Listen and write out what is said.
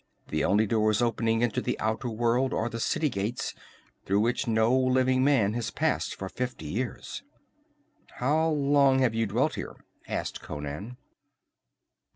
The only doors opening into the outer world are the city gates, through which no living man has passed for fifty years." "How long have you dwelt here?" asked Conan.